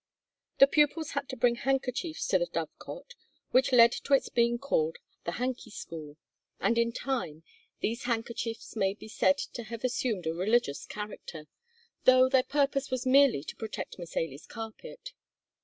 The pupils had to bring handkerchiefs to the Dovecot, which led to its being called the Hanky School, and in time these handkerchiefs may be said to have assumed a religious character, though their purpose was merely to protect Miss Ailie's carpet.